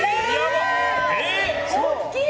大きい！